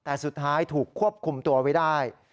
แต่สุดท้ายถูกควบคุมตัวไว้ได้